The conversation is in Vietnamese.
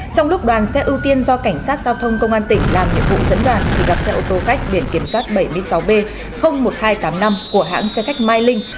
trong lúc đoàn xe ưu tiên do cảnh sát giao thông công an tỉnh làm nhiệm vụ dẫn đoàn thì gặp xe ô tô khách biển kiểm soát bảy mươi sáu b một nghìn hai trăm tám mươi năm của hãng xe khách mai linh